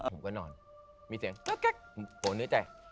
ผมก็นอนมีเสียงแก๊กโหเนื้อใจ